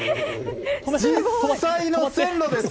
実際の線路です！